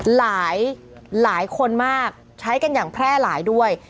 หลายคนมากใช้กันอย่างแพร่หลายด้วย